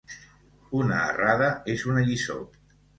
Una errada és una lliçó.